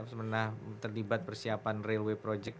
semenah terlibat persiapan railway project